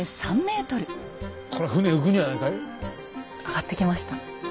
上がってきました。